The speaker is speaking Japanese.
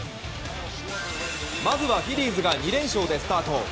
まずは、フィリーズが２連勝でスタート。